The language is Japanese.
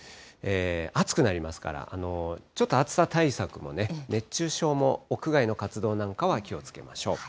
暑くなりますから、ちょっと暑さ対策も、熱中症も屋外の活動なんかは気をつけましょう。